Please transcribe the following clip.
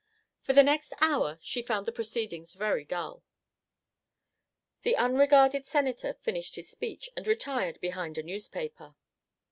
For the next hour she found the proceedings very dull. The unregarded Senator finished his speech and retired behind a newspaper.